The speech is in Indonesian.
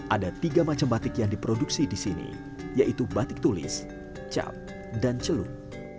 ada tiga macam batik yang diproduksi di sini yaitu batik tulis cap dan celup